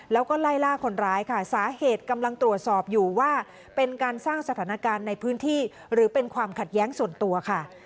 แล้วก็ไล่ล่าคนร้ายค่ะสาเหตุกำลังตรวจสอบอยู่ว่าเป็นการสร้างสถานการณ์ในพื้นที่หรือเป็นความขัดแย้งส่วนตัวค่ะ